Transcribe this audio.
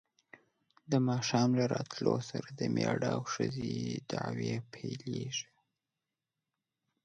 د ماښام له راتلو سره د مېړه او ښځې دعوې پیلېږي.